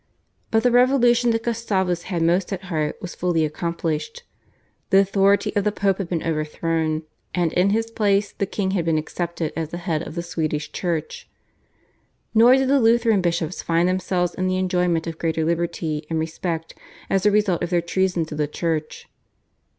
But the revolution that Gustavus had most at heart was fully accomplished. The authority of the Pope had been overthrown, and in his place the king had been accepted as the head of the Swedish Church. Nor did the Lutheran bishops find themselves in the enjoyment of greater liberty and respect as a result of their treason to the Church.